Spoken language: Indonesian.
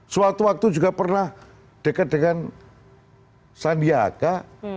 suatu waktu juga pernah dekat dengan sandiaga